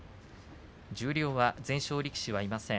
十両は全勝力士がいません。